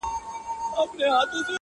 چي د خلکو یې لوټ کړي وه مالونه؛